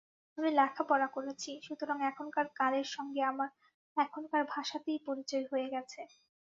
আমি লেখাপড়া করেছি, সুতরাং এখনকার কালের সঙ্গে আমার এখনকার ভাষাতেই পরিচয় হয়ে গেছে।